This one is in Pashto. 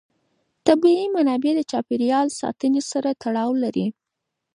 طبیعي منابع د چاپېر یال ساتنې سره تړاو لري.